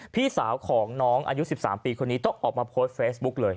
พี่สาวของน้องอายุ๑๓ปีคนนี้ต้องออกมาโพสต์เฟซบุ๊กเลย